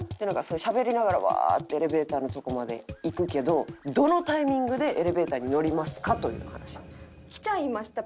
しゃべりながらワーッてエレベーターのとこまで行くけどどのタイミングでエレベーターに乗りますか？という話。来ちゃいました。